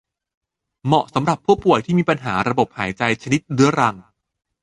เหมาะสำหรับผู้ป่วยที่มีปัญหาระบบหายใจชนิดเรื้อรัง